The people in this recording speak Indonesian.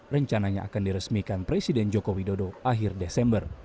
rencananya akan diresmikan presiden joko widodo akhir desember